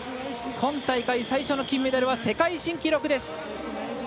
今大会最初の金メダルは世界新記録です！